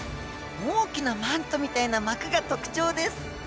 大きなマントみたいな膜が特徴です。